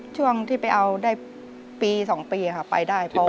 ช่วงที่ไปเอาได้ปี๒ปีค่ะไปได้